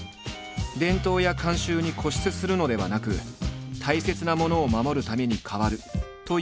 伝統や慣習に固執するのではなく大切なものを守るために変わるという思想だ。